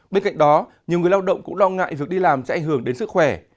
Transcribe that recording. bên cạnh đó nhiều người lao động cũng lo ngại việc đi làm sẽ ảnh hưởng đến sức khỏe